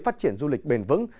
phát triển du lịch bền vững